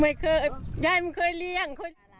ไม่เคยยายไม่เคยเลี้ยง